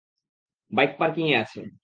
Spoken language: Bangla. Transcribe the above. বাইক পার্কিংয়ে আছে।